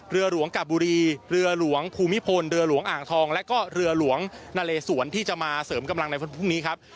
เรือหลวงกะบุรีเรือหลวงภูมิพลเรือหลวงอ่างทองและก็เรือหลวงนาเลสวนที่จะมาเสริมกำลังในวันพรุ่งนี้ครับ